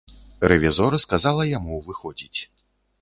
Рэвізор сказала яму выходзіць.